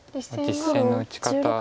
実戦の打ち方。